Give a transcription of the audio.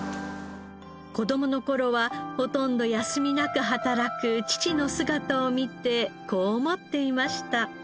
子供の頃はほとんど休みなく働く父の姿を見てこう思っていました。